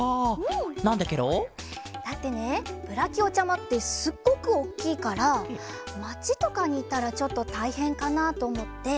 なんでケロ？だってねブラキオちゃまってすっごくおっきいからまちとかにいたらちょっとたいへんかなとおもって